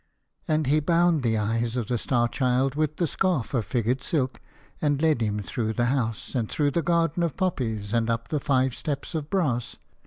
And he bound the eyes of the Star Child with the scarf of figured silk, and led him through the house, and through the garden of poppies, and up the five steps of brass.